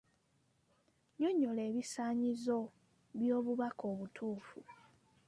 Nnyonnyola ebisaanyizo by'obubaka obutuufu.